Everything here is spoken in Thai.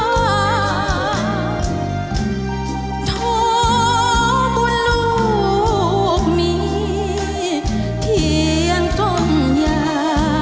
โทษบุญลูกมีเที่ยงต้นยา